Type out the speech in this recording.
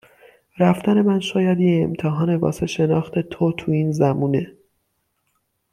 رفتن من شاید یه امتحانه واسه شناخت تو تو این زمونه